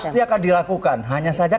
pasti akan dilakukan hanya saja